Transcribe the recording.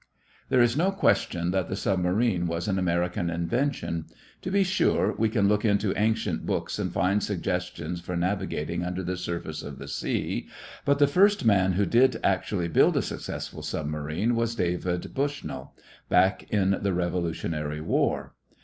There is no question that the submarine was an American invention. To be sure, we can look into ancient books and find suggestions for navigating under the surface of the sea, but the first man who did actually build a successful submarine was David Bushnell, back in the Revolutionary War.